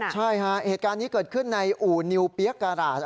ใช่ฮะเหตุการณ์นี้เกิดขึ้นในอู่นิวเปี๊ยกกราศ